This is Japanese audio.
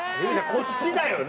こっちだよな。